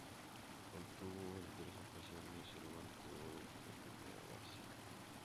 Obtuvo en tres ocasiones el Guante de Oro como primera base.